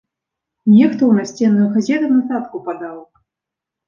Нехта ў насценную газету нататку падаў.